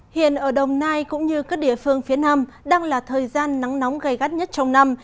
hiện ở đồng nai cũng như các địa phương phía nam đang là thời gian nắng nóng gây gắt nhất trong năm